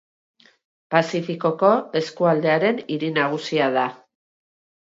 Pazifikoko eskualdearen hiri nagusia da.